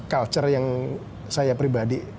culture yang saya pribadi